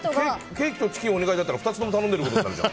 ケーキとチキンお願いだったら２つ頼んでることになるじゃん。